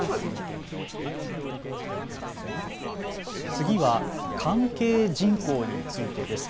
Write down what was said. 次は関係人口についてです。